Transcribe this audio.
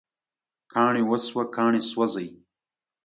کاڼي وسوه، کاڼي سوزی